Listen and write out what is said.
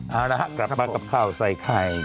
เอาละครับมากับข้าวใส่ไข่